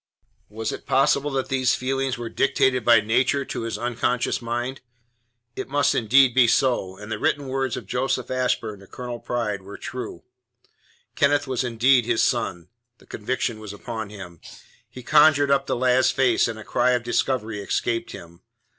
Was it possible that these his feelings were dictated by Nature to his unconscious mind? It must indeed be so, and the written words of Joseph Ashburn to Colonel Pride were true. Kenneth was indeed his son; the conviction was upon him. He conjured up the lad's face, and a cry of discovery escaped him.